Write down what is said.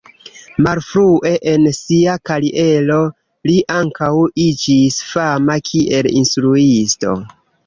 Malfrue en sia kariero li ankaŭ iĝis fama kiel instruisto.